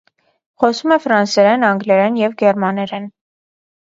Խոսում է ֆրանսերեն, անգլերեն և գերմաներեն։